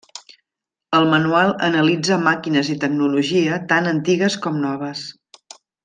El manual analitza màquines i tecnologia tant antigues com noves.